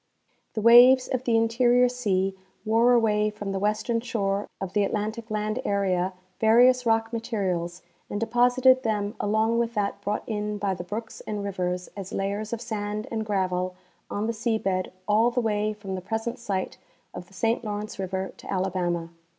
The waves of the interior sea wore away from the western shore of the Atlantic land area various rock materials and depos ited them along with that brought in by the brooks and rivers as layers of sand and gravel on the sea bed all the way from the present site of the Saint Lawrence river to Alabama.